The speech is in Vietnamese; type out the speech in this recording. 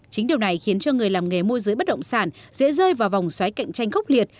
chính điều này khiến cho người làm nghề môi giới bất động sản dễ rơi vào vòng xoáy cạnh tranh khốc liệt